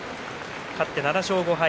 勝って７勝５敗。